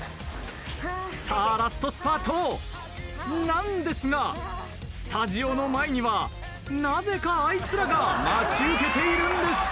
さあラストスパートなんですがスタジオの前にはなぜかあいつらが待ち受けているんです。